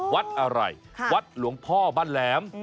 วัดอะไรวัดหลวงพ่อบ้านแหลม